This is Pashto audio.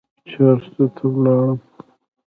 چارسو ته ولاړم.